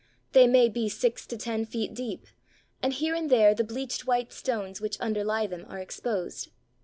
They may be six to ten feet deep, and here and there the bleached white stones which underlie them are exposed.